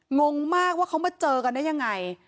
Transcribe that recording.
งงมากว่าเขามาเจอกันได้ยังไง